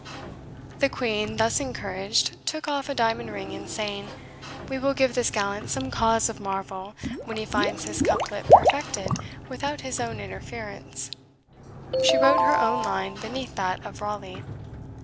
The Queen, thus encouraged, took off a diamond ring, and saying, "We will give this gallant some cause of marvel when he finds his couplet perfected without his own interference," she wrote her own line beneath that of Raleigh.